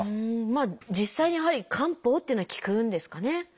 実際にやはり漢方っていうのは効くんですかね。